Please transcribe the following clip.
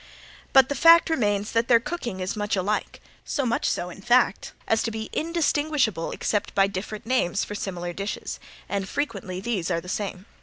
But the fact remains that their cooking is much alike, so much so, in fact, as to be indistinguishable except by different names for similar dishes, and frequently these are the same.